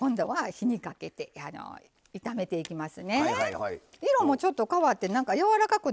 火にかけて炒めていきます。